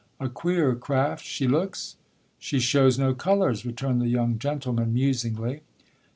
A queer craft she looks.' 'She shows no colours,' returned the young gentleman, musingly.